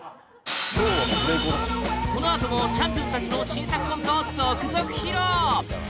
このあともチャンピオン達の新作コントを続々披露